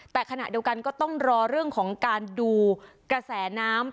แต่ขณะเดียวกันก็ต้องรอเรื่องของการดูกระแสน้ำ